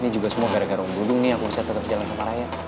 ini juga semua gara gara gudung nih aku bisa tetap jalan sama raya